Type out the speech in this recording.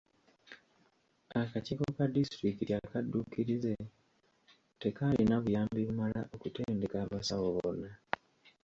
Akakiiko ka disitulikiti akadduukirize tekaalina buyambi bumala okutendeka abasawo bonna.